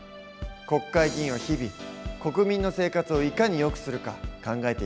国会議員は日々国民の生活をいかに良くするか考えているんだね。